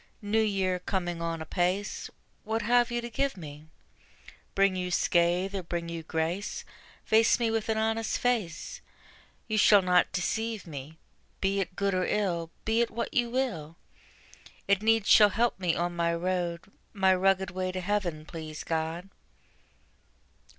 New Year coming on apace What have you to give me? Bring you scathe, or bring you grace, Face me with an honest face; You shall not deceive me: Be it good or ill, be it what you will, It needs shall help me on my road, My rugged way to heaven, please God.